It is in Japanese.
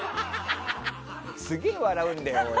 すげえ、笑うんだよ。